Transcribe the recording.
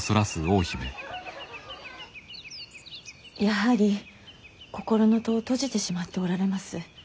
やはり心の戸を閉じてしまっておられます。